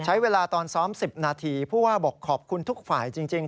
ใช้เวลา๑๐นาทีเพราะว่าบอกขอบคุณทุกฝ่ายจริง